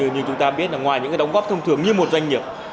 như chúng ta biết là ngoài những đóng góp thông thường như một doanh nghiệp